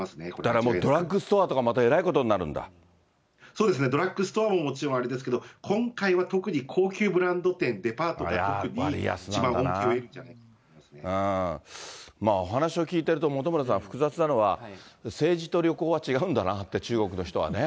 だからドラッグストアとか、そうですね、ドラッグストアももちろんあれですけど、今回は特に高級ブランド店、デパートが特に一番恩恵を得るんじゃまあ、お話を聞いてると、本村さん、複雑なのは、政治と旅行は違うんだなって、中国の人はね。